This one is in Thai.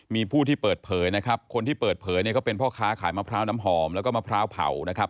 มีผู้ที่เปิดเผยนะครับคนที่เปิดเผยเนี่ยก็เป็นพ่อค้าขายมะพร้าวน้ำหอมแล้วก็มะพร้าวเผานะครับ